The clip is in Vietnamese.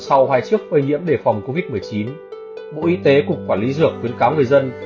sau hoài chức bệnh nhiễm để phòng covid một mươi chín bộ y tế cục quản lý dược khuyến cáo người dân